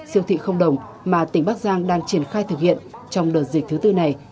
siêu thị không đồng mà tỉnh bắc giang đang triển khai thực hiện trong đợt dịch thứ tư này